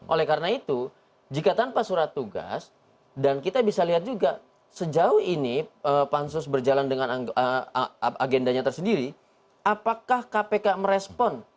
oleh karena itu jika tanpa surat tugas dan kita bisa lihat juga sejauh ini pansus berjalan dengan agendanya tersendiri apakah kpk merespon